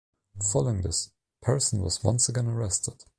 Following this, Persson was once again arrested.